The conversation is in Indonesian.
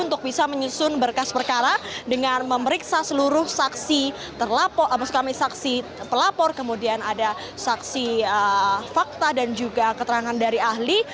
untuk bisa menyusun berkas perkara dengan memeriksa seluruh saksi pelapor kemudian ada saksi fakta dan juga keterangan dari ahli